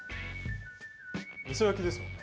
みそ焼きですもんね。